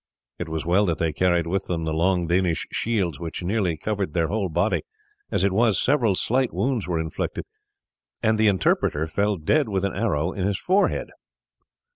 It was well that they carried with them the long Danish shields, which nearly covered their whole body. As it was, several slight wounds were inflicted, and the interpreter fell dead with an arrow in his forehead.